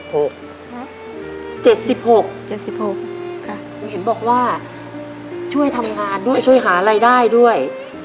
หนูเห็นบอกว่าช่วยทำงานด้วยช่วยหารายได้ด้วย